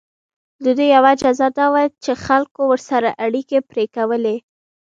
د دوی یوه جزا دا وه چې خلکو ورسره اړیکه پرې کوله.